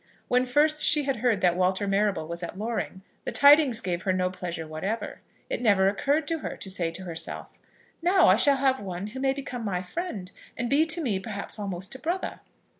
When first she had heard that Walter Marrable was at Loring, the tidings gave her no pleasure whatever. It never occurred to her to say to herself: "Now I shall have one who may become my friend, and be to me perhaps almost a brother?"